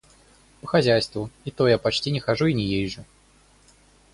По хозяйству — и то я почти не хожу и не езжу.